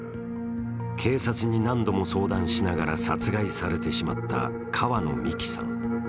警察に何度も相談しながら殺害されてしまった川野美樹さん。